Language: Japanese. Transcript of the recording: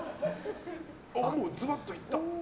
ズバッといった！